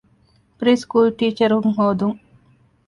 ޕްރީސުކޫލު ޓީޗަރުން ހޯދުން